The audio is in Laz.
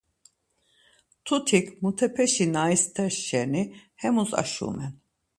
Mtutik mutepeşi na isters şeni hemus aşumen.